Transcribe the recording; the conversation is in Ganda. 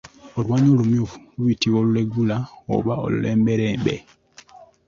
Oluwaanyi olumyufu luyitibwa oluyegula oba olulembelembe.